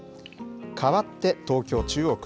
かわって東京・中央区。